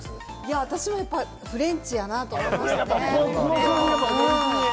私もやっぱりフレンチやなと思いましたね。